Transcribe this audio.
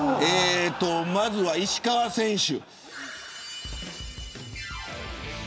まずは石川選手。